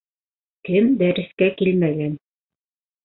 Кем дәрескә килмәгән?